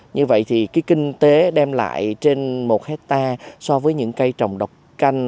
như vậy thì cái kinh tế đem lại trên một hectare so với những cây trồng độc canh